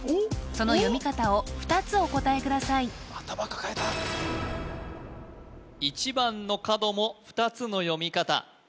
その読み方を２つお答えください頭抱えた１番の角も２つの読み方